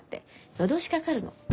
夜通しかかるの。